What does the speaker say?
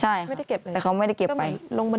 ใช่ค่ะแต่เขาไม่ได้เก็บไป